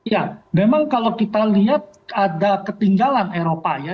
ya memang kalau kita lihat ada ketinggalan eropa ya